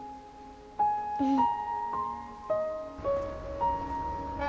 うん。